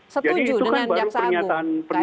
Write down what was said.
setuju dengan jaksa agung ksp ini